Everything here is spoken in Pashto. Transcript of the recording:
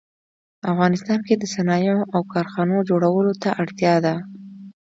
افغانستان کې د صنایعو او کارخانو جوړولو ته اړتیا ده